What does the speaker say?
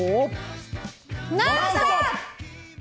「ノンストップ！」。